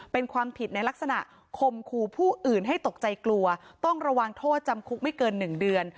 เป็นความผิดในลักษณะคมคู่อื่นให้ตกใจกลัวต้องระวังโทษจำคุกไม่เกิน๑เดือน